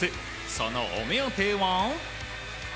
そのお目当ては。